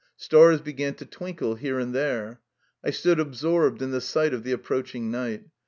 Stars began to twinkle here and there. I stood absorbed in the sight of the approaching night.